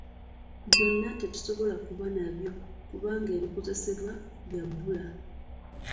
Byonna tetusobola kuba nabyo kubanga ebikozesebwa bya bbula.